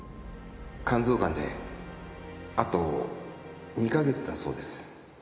肝臓がんであと２カ月だそうです。